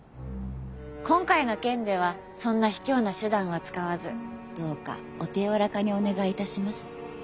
今回の件ではそんな卑怯な手段は使わずどうかお手柔らかにお願いいたします。